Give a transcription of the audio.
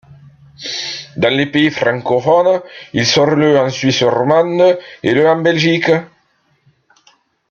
Dans les pays francophones, il sort le en Suisse romande et le en Belgique.